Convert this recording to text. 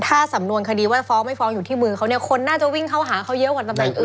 ถ้าสำนวนคดีว่าฟ้องไม่ฟ้องอยู่ที่มือเขาเนี่ยคนน่าจะวิ่งเข้าหาเขาเยอะกว่าตำแหน่งอื่น